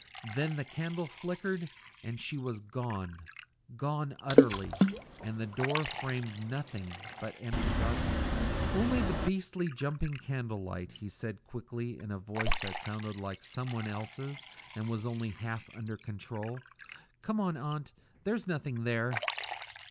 Then the candle flickered and she was gone gone utterly and the door framed nothing but empty darkness. "Only the beastly jumping candle light," he said quickly, in a voice that sounded like someone else's and was only half under control. "Come on, aunt. There's nothing there."